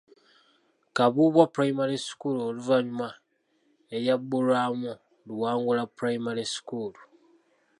Kabuubwa Pulayimale School oluvannyuma eryabbulwamu Luwangula Pulayimale School.